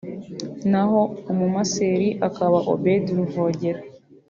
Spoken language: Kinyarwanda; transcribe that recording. naho umu-masseur akaba Obed Ruvogera